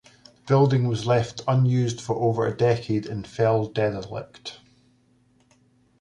The building was left unused for over a decade and fell derelict.